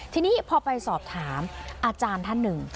ทีนี้พอไปสอบถามอาจารย์ท่านหนึ่ง